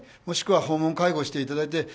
もしくは訪問介護していただいて。